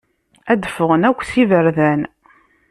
Ad d-ffɣen akk s iberdan.